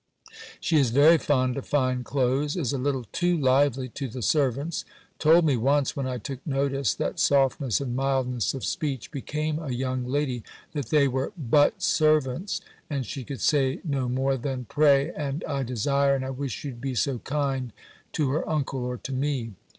She is very fond of fine clothes, is a little too lively to the servants. Told me once, when I took notice that softness and mildness of speech became a young lady, that they were but servants! and she could say no more than, "Pray," and "I desire," and "I wish you'd be so kind," to her uncle or to me.